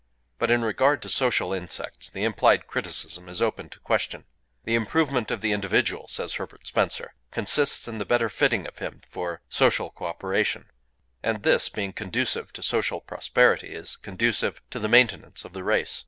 But in regard to social insects the implied criticism is open to question. "The improvement of the individual," says Herbert Spencer, "consists in the better fitting of him for social cooperation; and this, being conducive to social prosperity, is conducive to the maintenance of the race."